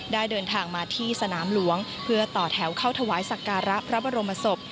เดินทางมาที่สนามหลวงเพื่อต่อแถวเข้าถวายสักการะพระบรมศพ